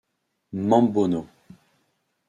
Mambo No.